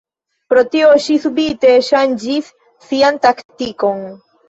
Pro tio, ŝi subite ŝanĝis sian taktikon.